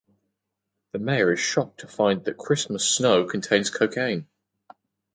The Mayor is shocked to find that Christmas Snow contains cocaine.